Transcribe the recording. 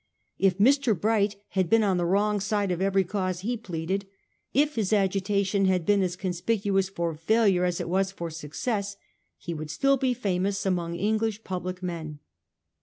If Mr. Bright had been on the wrong side of every cause he pleaded; if his agitation had been as conspicuous for failure as it was for suc cess, he would still be famous among English public men.